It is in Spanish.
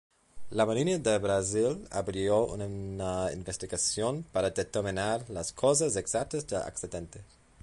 La Marina de Brasil abrió una investigación para determinar las causas exactas del accidente.